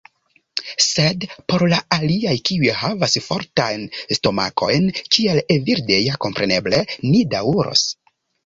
Sed por la aliaj, kiuj havas fortajn stomakojn, kiel Evildea. Kompreneble, ni daŭros.